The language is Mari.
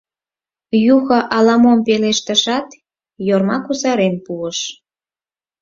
Юхо ала-мом пелештышат, Йорма кусарен пуыш: